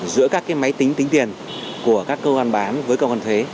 giữa các máy tính tính tiền của các cơ quan bán với cơ quan thuế